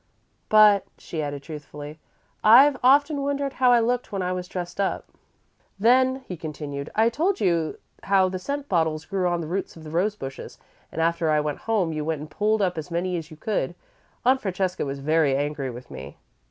"But," she added, truthfully, "I've often wondered how I looked when I was dressed up." "Then," he continued, "I told you how the scent bottles grew on the roots of the rose bushes, and, after I went home, you went and pulled up as many as you could. Aunt Francesca was very angry with me."